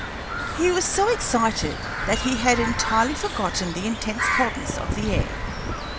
He was so excited that he had entirely forgotten the intense coldness of the air.